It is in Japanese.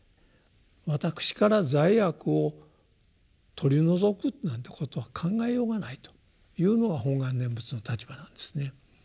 私から罪悪を取り除くなんてことは考えようがないというのが本願念仏の立場なんですね。